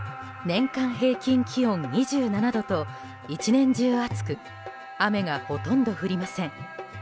年間平均気温２７度と１年中暑く雨がほとんど降りません。